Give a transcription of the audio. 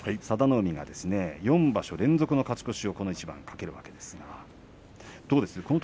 佐田の海がですね、４場所連続の勝ち越しをこの一番に懸けるわけですが、どうですか。